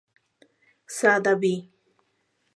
Sada" vi.